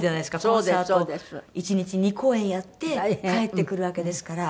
コンサート１日２公演やって帰ってくるわけですから。